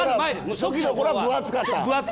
初期の頃は分厚かった。